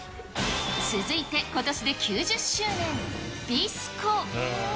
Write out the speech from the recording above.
続いてことしで９０周年、ビスコ。